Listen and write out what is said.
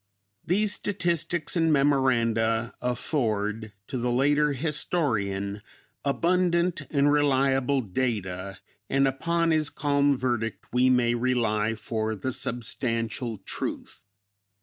These statistics and memoranda afford to the later historian abundant and reliable data, and upon his calm verdict we may rely for the substantial truth.